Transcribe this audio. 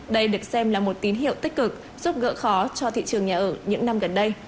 đây được xem là một tín hiệu tích cực giúp gỡ khó cho thị trường nhà ở những năm gần đây